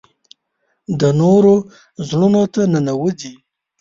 د نورو زړونو ته ننوځي .